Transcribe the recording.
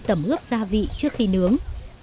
tẩm ướp gia vị trước khi nướng